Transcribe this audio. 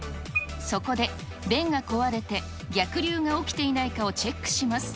そこで、弁が壊れて逆流が起きていないかをチェックします。